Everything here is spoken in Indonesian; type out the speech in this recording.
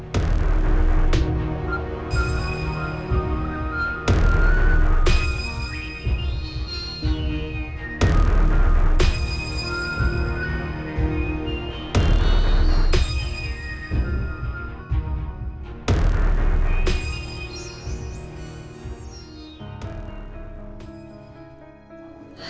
itu pergelangan tangan kenapa ya